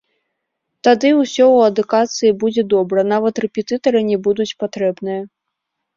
Тады усё ў адукацыі будзе добра, нават рэпетытары не будуць патрэбныя.